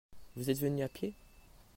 Vous êtes venu à pied ?